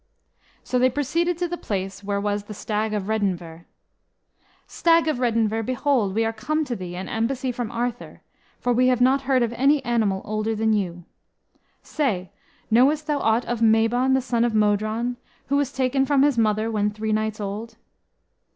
So they proceeded to the place where was the Stag of Redynvre. "Stag of Redynvre, behold, we are come to thee, an embassy from Arthur, for we have not heard of any animal older than thou. Say, knowest thou aught of Mabon, the son of Modron, who was taken from his mother when three nights old?"